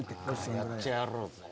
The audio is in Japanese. やってやろうぜ。